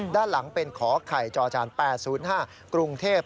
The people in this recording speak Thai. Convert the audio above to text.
ด้านหลังเป็นขอไข่จอจาน๘๐๕กรุงเทพฯ